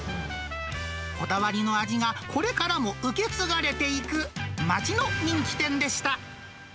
こだわりの味がこれからも受け継がれていく、街の人気店でした。